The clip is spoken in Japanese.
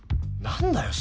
何だよ？